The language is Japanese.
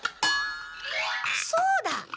そうだ！